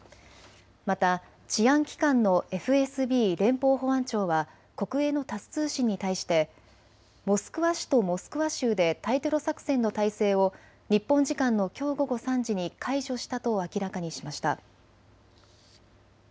また治安機関のＦＳＢ・連邦保安庁は国営のタス通信に対してモスクワ市とモスクワ州で対テロ作戦の体制を日本時間のきょう午後３時に解除したと明らかにしました。